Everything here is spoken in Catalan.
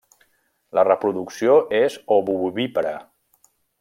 La reproducció és ovovivípara.